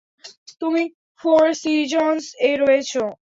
তুমি ফোর সিজনস-এ রয়েছ।